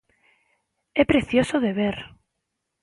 É precioso de ver.